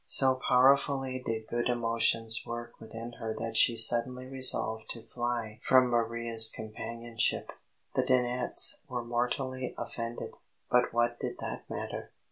So powerfully did good emotions work within her that she suddenly resolved to fly from Maria's companionship. The Dennetts were mortally offended, but what did that matter?